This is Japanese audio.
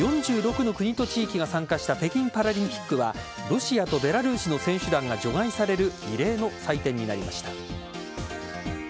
４６の国と地域が参加した北京パラリンピックはロシアとベラルーシの選手団が除外される異例の祭典になりました。